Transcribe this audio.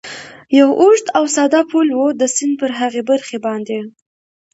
یو اوږد او ساده پل و، د سیند پر هغې برخې باندې.